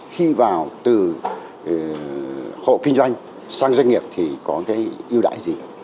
khi vào từ hộ kinh doanh sang doanh nghiệp thì có cái ưu đãi gì